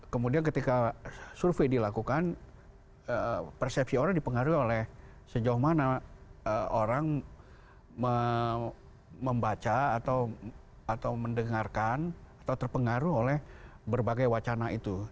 kemudian ketika survei dilakukan persepsi orang dipengaruhi oleh sejauh mana orang membaca atau mendengarkan atau terpengaruh oleh berbagai wacana itu